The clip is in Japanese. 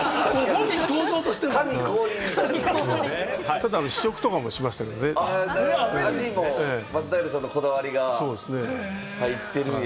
ただ試食とかもしましたけど松平さんのこだわりが入ってるんや。